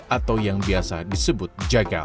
atau yang biasa disebut jagal